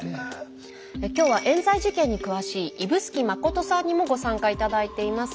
今日はえん罪事件に詳しい指宿信さんにもご参加頂いています。